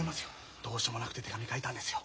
どうしようもなくて手紙書いたんですよ。